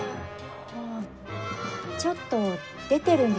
あちょっと出てるんですよ。